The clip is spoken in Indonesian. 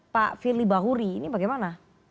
pak firly bahuri ini bagaimana